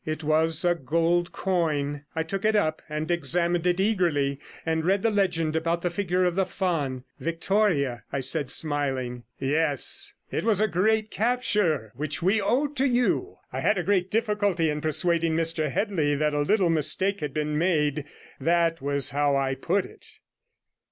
It was a gold coin; I took it up and examined it eagerly, and read the legend about the figure of the faun. 'Victoria,' I said, smiling. 'Yes; it was a great capture, which we owe to you. I had great difficulty in persuading Mr Headley that a little mistake had been made; that was how I put it.